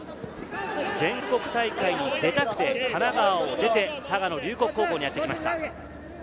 全国大会に出たくて神奈川を出て、佐賀・龍谷高校にやってきました。